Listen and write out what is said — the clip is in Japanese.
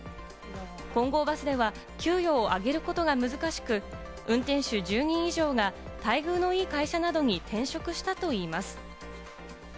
金剛バスでは給与を上げることが難しく、運転手１０人以上が待遇のいい会社などに転職したといいます。